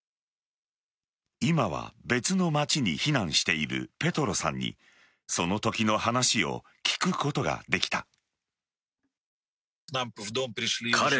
今は別の街に避難しているペトロさんにそのときの話を聞くことができた。